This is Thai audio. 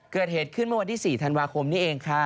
เกิดเหตุขึ้นเมื่อวันที่๔ธันวาคมนี้เองค่ะ